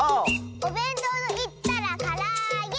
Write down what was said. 「おべんとうといったらからあげ！」